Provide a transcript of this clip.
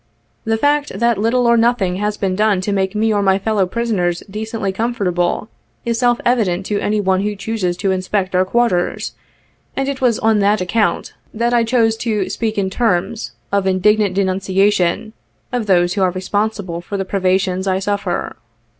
The fact that little or nothing has been done to make me or my fellow prisoners decently comfortable, is self evident to any one who chooses to inspect our quarters, and it was on that account that I chose to 39 speak in terms of indignant denunciation of those who are responsible for the privations I suffer.